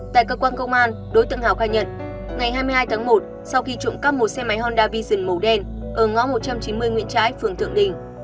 tại cơ quan công an đối tượng hào khai nhận ngày hai mươi hai tháng một sau khi trộm cắp một xe máy honda vision màu đen ở ngõ một trăm chín mươi nguyễn trái phường thượng đình